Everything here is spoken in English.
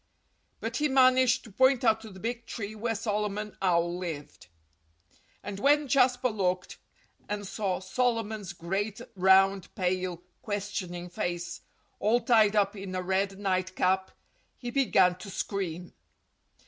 But he managed to point to the big tree where Solomon Owl lived. And when Jasper looked, and saw Solomon's great, round, pale, questioning face, all tied up in a red nightcap, he began to scream.